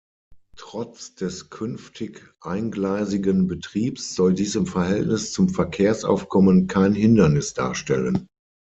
Trotz des künftig eingleisigen Betriebs soll dies im Verhältnis zum Verkehrsaufkommen kein Hindernis darstellen.